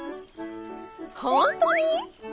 ほんとに？